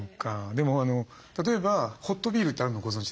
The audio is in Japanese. でも例えばホットビールってあるのご存じですか？